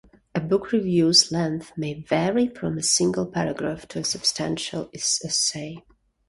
A book review's length may vary from a single paragraph to a substantial essay.